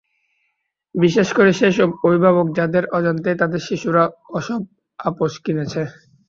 বিশেষ করে সেসব অভিভাবক যাঁদের অজান্তেই তাঁদের শিশুরা এসব অ্যাপস কিনেছে।